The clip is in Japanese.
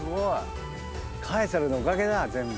カエサルのおかげだ全部。